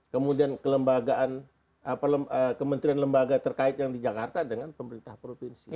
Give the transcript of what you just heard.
kemudian kelembagaan kementerian lembaga terkait yang di jakarta dengan pemerintah provinsi